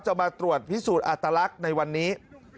มาตรวจพิสูจน์อัตลักษณ์ในวันนี้